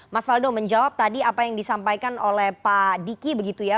mas faldo menjawab tadi apa yang disampaikan oleh pak diki begitu ya